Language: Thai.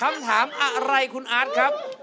คำถามอะไรคุณอาร์ตครับ